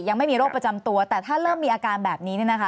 ยังไม่มีโรคประจำตัวแต่ถ้าเริ่มมีอาการแบบนี้